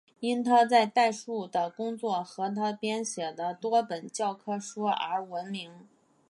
因他在代数的工作和他编写的多本教科书而闻名。